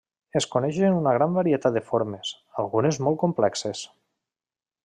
Es coneixen una gran varietat de formes, algunes molt complexes.